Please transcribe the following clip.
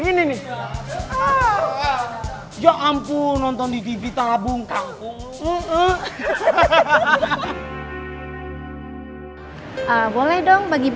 kebiasaan nonton tv di tabung begini nih